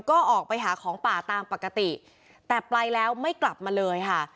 ก็ออกไปหาของป่าตามปกติแต่ไปแล้วไม่กลับมาเลยค่ะ